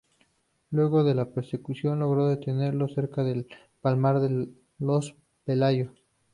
Luego de la persecución, logró detenerlo cerca de El Palmar de los Pelayo.